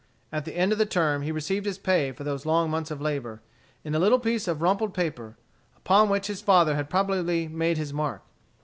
At the end of the term he received his pay for those long months of labor, in a little piece of rumpled paper, upon which his father had probably made his mark.